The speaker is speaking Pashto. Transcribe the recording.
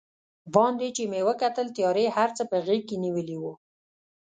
باندې چې مې وکتل، تیارې هر څه په غېږ کې نیولي و.